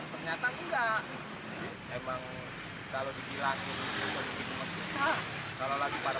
ternyata enggak memang kalau di gilangin kalau lagi pada